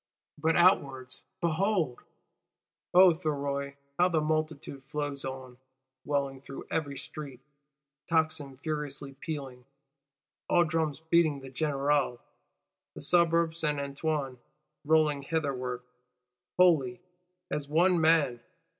But outwards behold, O Thuriot, how the multitude flows on, welling through every street; tocsin furiously pealing, all drums beating the générale: the Suburb Saint Antoine rolling hitherward wholly, as one man!